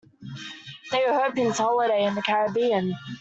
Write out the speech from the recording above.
They are hoping to holiday in the Caribbean.